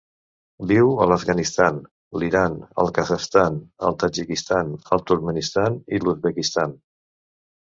Viu a l'Afganistan, l'Iran, el Kazakhstan, el Tadjikistan, el Turkmenistan i l'Uzbekistan.